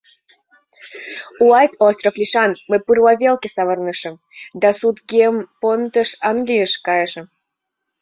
Уайт остров лишан мый пурла велке савырналтышым да Саутгемптоныш, Английыш, кайышым.